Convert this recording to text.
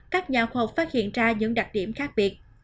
các nhà khoa học phát hiện ra những đặc điểm khác biệt